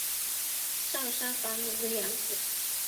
上杉房能的养子。